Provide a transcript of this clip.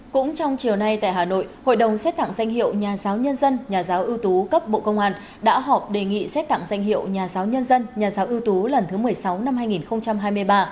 cũng trong chiều nay tại hà nội hội đồng xét tặng danh hiệu nhà giáo nhân dân nhà giáo ưu tú cấp bộ công an đã họp đề nghị xét tặng danh hiệu nhà giáo nhân dân nhà giáo ưu tú lần thứ một mươi sáu năm hai nghìn hai mươi ba